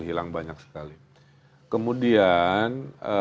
hilang banyak sekali kemudian